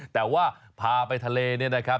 แต่ว่าพาไปทะเลเนี่ยนะครับ